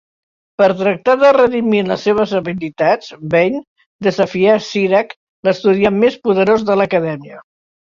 Per tractar de redimir les seves habilitats, Bane desafia Sirak, l'estudiant més poderós de l'Acadèmia.